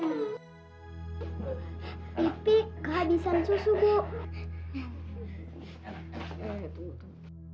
bibi kehabisan susu gue